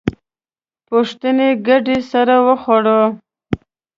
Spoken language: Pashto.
پوښتنې ګډې سر وخوړ.